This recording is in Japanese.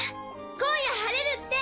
今夜晴れるって！